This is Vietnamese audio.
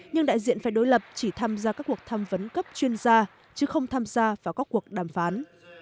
nhưng đại diện phe đối lập chỉ tham gia các cuộc tham vấn cấp chuyên gia chứ không tham gia vào các cuộc đàm phán